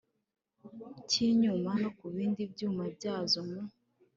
cy inyuma no ku bindi byuma byazo mu